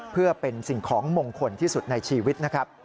เพื่อเป็นสิ่งของมงคลที่สุดในชีวิตนะครับ